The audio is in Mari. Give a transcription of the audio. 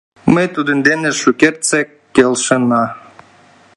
Ме тудын дене шукертсек келшена.